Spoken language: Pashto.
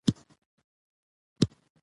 تالابونه د افغانانو د ژوند طرز اغېزمنوي.